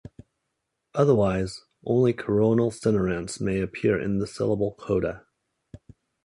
Otherwise, only coronal sonorants may appear in the syllable coda.